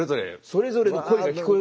それぞれの声が聞こえる。